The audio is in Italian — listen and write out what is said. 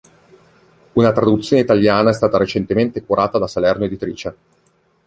Una traduzione italiana è stata recentemente curata da Salerno Editrice.